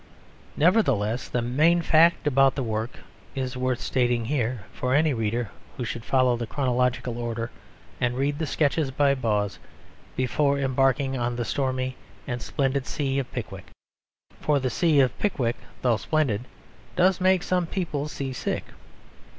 Nevertheless the main fact about the work is worth stating here for any reader who should follow the chronological order and read the Sketches by Boz before embarking on the stormy and splendid sea of Pickwick. For the sea of Pickwick, though splendid, does make some people seasick.